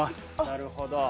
なるほど。